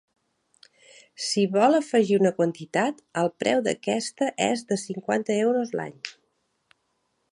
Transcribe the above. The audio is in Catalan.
Si vol afegir una quantitat, el preu d'aquesta és de cinquanta euros l'any.